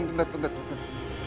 bentar bentar bentar